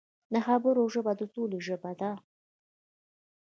د خبرو ژبه د سولې ژبه ده